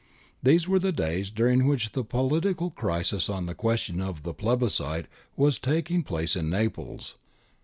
These were the days during which the politi cal crisis on the question of the plebiscite was taking place in Naples.